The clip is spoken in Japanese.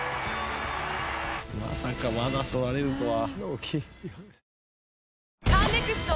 まさかまだ取られるとは。